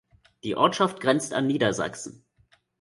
Die Ortschaft grenzt an Niedersachsen.